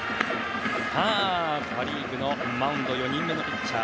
パ・リーグのマウンド４人目のピッチャー